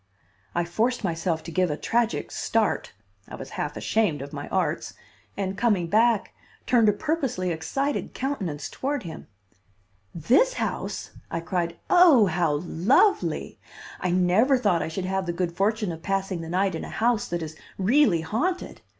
I forced myself to give a tragic start (I was half ashamed of my arts), and, coming back, turned a purposely excited countenance toward him. "This house!" I cried. "Oh, how lovely! I never thought I should have the good fortune of passing the night in a house that is really haunted.